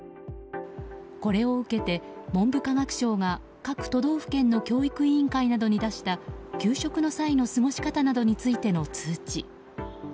これを受けて文部科学省が各都道府県の教育委員会などに出した給食の際の過ごし方などについての通知。